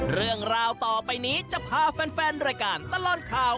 เรื่องราวต่อไปนี้จะพาแฟนรายการตลอดข่าว